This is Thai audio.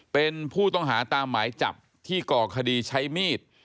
เป็นผู้ต้องหาตามหมายจับที่ก่อคดีใช้มีด